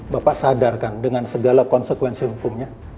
bapak sadarkan dengan segala konsekuensi hukumnya